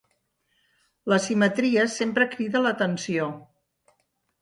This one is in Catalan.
La simetria sempre crida l'atenció.